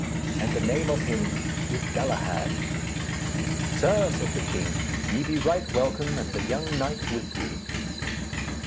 And the name of him is Galahad.' 'Sir,' said the king, 'ye be right welcome and the young knight with you.'